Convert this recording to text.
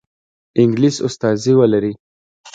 انګلیس استازی ولري.